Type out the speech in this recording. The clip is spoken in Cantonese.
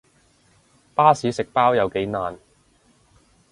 巴士食包有幾難